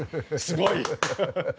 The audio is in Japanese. すごい！